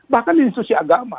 bahkan di institusi agama